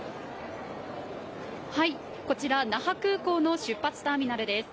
こちら、那覇空港の出発ターミナルです。